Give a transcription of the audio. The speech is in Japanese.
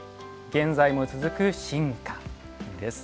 現在も続く「進化」。